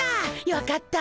よかった。